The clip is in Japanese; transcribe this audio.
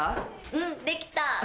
うんできた。